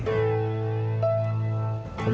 ไม่รู้ว่าเป็นเก่ง